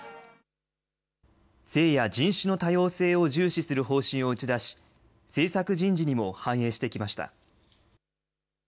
性や人種の多様性を重視する方針を打ち出し政策人事にも反映してきました。